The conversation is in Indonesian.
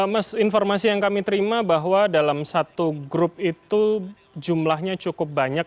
mas informasi yang kami terima bahwa dalam satu grup itu jumlahnya cukup banyak